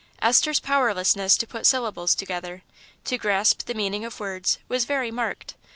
Esther's powerlessness to put syllables together, to grasp the meaning of words, was very marked.